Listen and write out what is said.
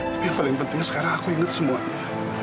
tapi yang paling penting sekarang aku inget semuanya